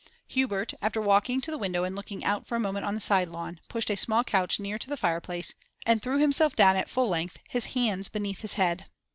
Hubert, after walking to the window and looking out for a moment on the side lawn, pushed a small couch near to the fireplace, and threw himself down at full length, his hands beneath his head.